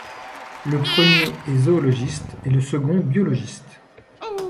Le premier est zoologiste et le second biologiste.